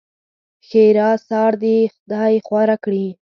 ښېرا؛ سار دې خدای خواره کړي!